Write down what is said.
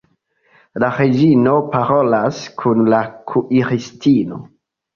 La reĝino parolas kun la kuiristino.